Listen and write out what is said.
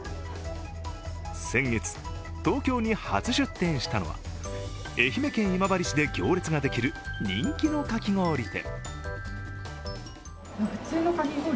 先月、東京に初出店したのは愛媛県今治市で行列のできる人気のかき氷店。